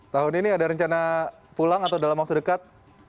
tahun ini ada rencana pulang atau dalam waktu dekat